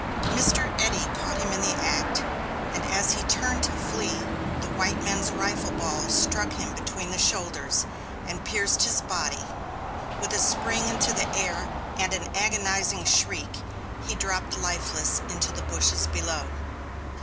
Mr. Eddy caught him in the act; and as he turned to flee, the white man's rifle ball struck him between the shoulders and pierced his body. With a spring into the air and an agonizing shriek, he dropped lifeless into the bushes below.